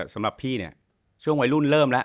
สำหรับพี่เนี่ยช่วงวัยรุ่นเริ่มแล้ว